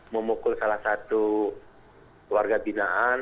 memukul salah satu warga binaan